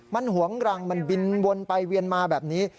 มันหวงรังมันบินวนไปเวียนมาแบบนี้